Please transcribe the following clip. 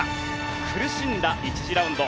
苦しんだ１次ラウンド。